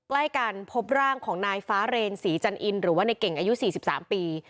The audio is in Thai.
ใกล้กันพบร่างของนายฟ้าเรนศรีจันอินหรือว่าในเก่งอายุ๔๓ปี